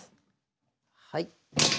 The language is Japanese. はい。